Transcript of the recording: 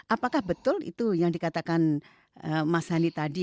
apakah betul itu yang dikatakan mas hani tadi